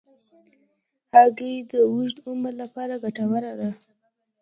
هګۍ د اوږد عمر لپاره ګټوره ده.